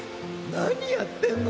なにやってんの？